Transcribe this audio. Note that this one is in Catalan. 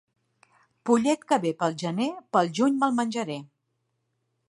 Pollet que ve pel gener, pel juny me'l menjaré.